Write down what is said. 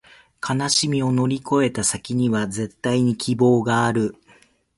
悲しみを乗り越えた先には、絶対に希望がある